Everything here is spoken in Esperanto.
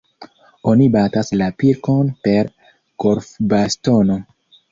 Oni batas la pilkon per golfbastono.